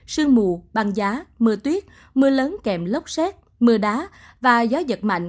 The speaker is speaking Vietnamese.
sương mù băng giá mưa tuyết mưa lớn kèm lốc xét mưa đá và gió giật mạnh